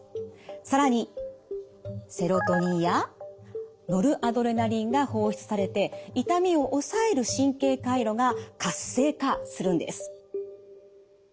更にセロトニンやノルアドレナリンが放出されて痛みを抑える神経回路が活性化するんです。